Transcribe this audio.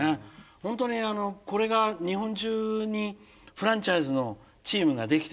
本当にこれが日本中にフランチャイズのチームができてさ